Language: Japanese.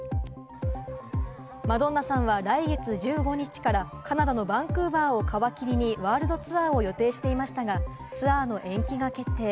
マドンナさんは来月１５日からカナダのバンクーバーを皮切りにワールドツアーを予定していましたが、ツアーの延期が決定。